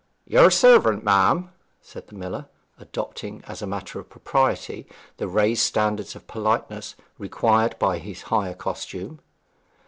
'Your servant, ma'am,' said the miller, adopting as a matter of propriety the raised standard of politeness required by his higher costume.